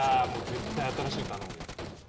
絶対新しいの頼むよ。